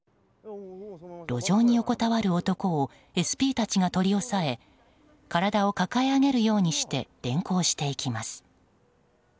路上に横たわる男をＳＰたちが取り押さえ体を抱え上げるようにして連行していきます。